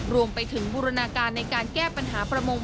รวมไปถึงบูรณาการในการแก้ปัญหาประมง